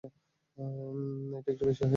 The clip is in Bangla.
এটা একটু বেশী হয়েছে।